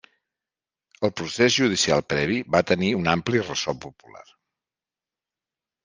El procés judicial previ va tenir un ampli ressò popular.